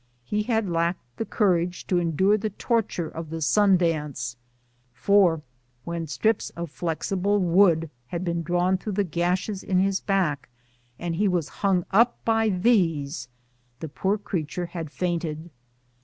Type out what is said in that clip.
He had lacked the courage to endure the torture of the sun dance ; for when strips of flexible wood had been drawn through the gashes in his back, and he was hung up by these, the poor creature had fainted.